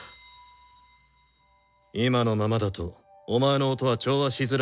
今のままだとお前の音は調和しづらく浮いてしまう。